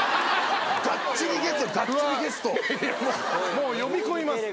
もう呼び込みます。